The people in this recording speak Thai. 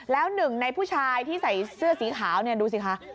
แล้วหนึ่งในผู้ชายที่ใส่เสื้อสีขาวเนี่ยดูสิคะ